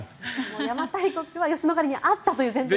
邪馬台国は吉野ヶ里にあったという前提で。